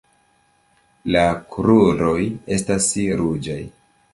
La kruroj estas ruĝaj.